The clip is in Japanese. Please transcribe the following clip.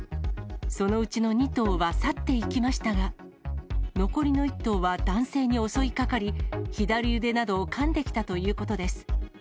そのうちの２頭は去っていきましたが、残りの１頭は男性に襲いかかり、左腕などをかんできたということです。